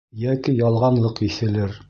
Йәки ялғанлыҡ еҫелер.